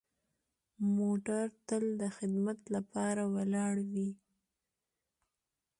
موټر تل د خدمت لپاره ولاړ وي.